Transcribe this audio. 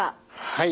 はい。